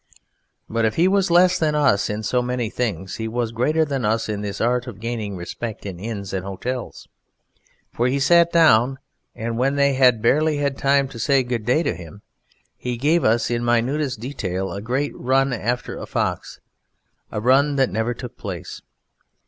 But if he was less than us in so many things he was greater than us in this art of gaining respect in Inns and Hotels. For he sat down, and when they had barely had time to say good day to him he gave us in minutest detail a great run after a fox, a run that never took place.